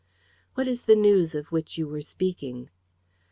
"What is the news of which you were speaking?"